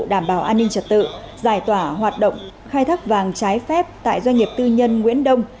đảm bảo an ninh trật tự giải tỏa hoạt động khai thác vàng trái phép tại doanh nghiệp tư nhân nguyễn đông